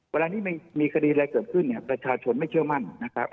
เวลานี้ไม่มีคดีอะไรเกิดขึ้นเนี่ยประชาชนไม่เชื่อมั่นนะครับ